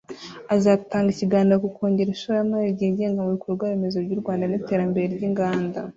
azatanga ikiganiro ku kongera ishoramari ryigenga mu bikorwa remezo by’u Rwanda n’iterambere ry’inganda